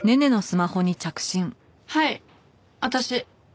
はい私。